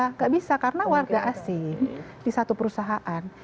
tidak bisa karena warga asing di satu perusahaan